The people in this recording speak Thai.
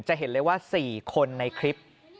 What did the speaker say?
จะเห็นเลยว่า๔คนในคลิป